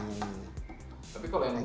tapi kalau yang untuk gampang